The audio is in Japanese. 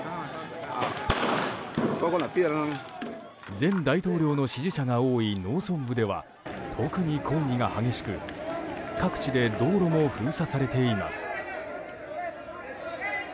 前大統領の支持者が多い農村部では、特に抗議が激しく各地で道路も封鎖されています。